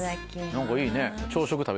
何かいいね。